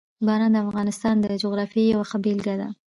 باران د افغانستان د جغرافیې یوه ښه بېلګه ده.